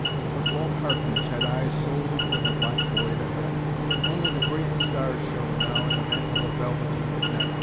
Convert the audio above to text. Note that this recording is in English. But Walt Harkness had eyes solely for the black void ahead. Only the brilliant stars shone now in the mantle of velvety night.